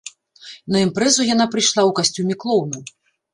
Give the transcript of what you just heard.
На імпрэзу яна прыйшла ў касцюме клоуна.